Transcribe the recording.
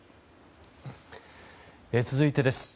続いてです。